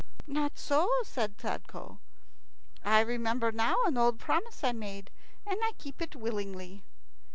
"Not so," said Sadko. "I remember now an old promise I made, and I keep it willingly."